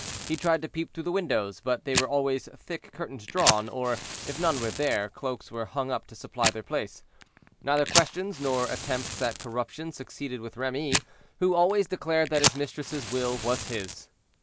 He tried to peep through the windows, but there were always thick curtains drawn, or if none were there, cloaks were hung up to supply their place. Neither questions, nor attempts at corruption, succeeded with Remy, who always declared that his mistress's will was his.